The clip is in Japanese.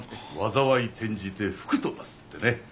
災い転じて福となすってね。